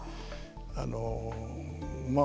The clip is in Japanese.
あのまあ